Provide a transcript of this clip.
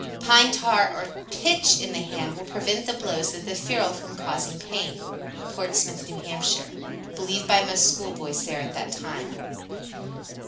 Pine tar or pitch in the hand will prevent the blows of the ferule from causing pain. (Portsmouth, N.H., sixty years ago.) Believed by most schoolboys there at that time.